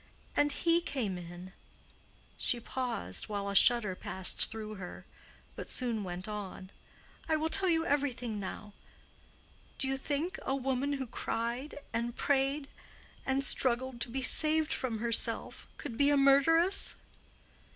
And he came in." She paused, while a shudder passed through her; but soon went on. "I will tell you everything now. Do you think a woman who cried, and prayed, and struggled to be saved from herself, could be a murderess?"